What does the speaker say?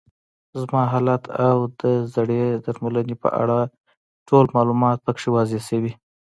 زما حالت او د زړې درملنې په اړه ټول معلومات پکې واضح شوي.